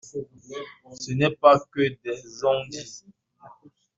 Ce n’est pas que des on-dit.